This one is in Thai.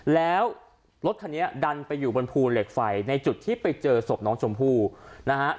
แล้วรถคันนี้ดันไปอยู่บนภูเหล็กไฟในจุดที่ไปเจอศพน้องชมพู่นะฮะ